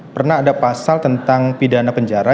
pernah ada pasal tentang pidana penjara